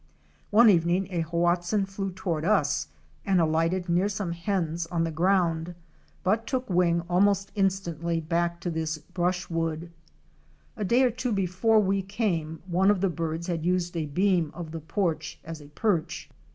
One evening a Hoatzin flew toward us and alighted near some hens on the ground, but took wing almost instantly THE LIFE OF THE ABARY SAVANNAS. 369 back to his brush wood. A day or two before we came one of the birds had used a beam of the porch as a perch.